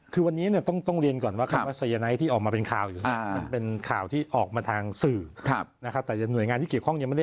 คือมันต้องอยู่กับปริมาณหรือหรือครับ